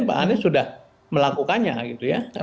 pak anies sudah melakukannya gitu ya